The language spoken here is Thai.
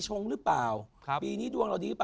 จริง